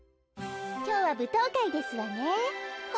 きょうはぶとうかいですわね。